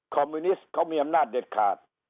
มิวนิสต์เขามีอำนาจเด็ดขาด